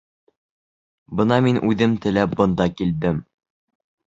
Бына мин үҙем теләп бында килдем.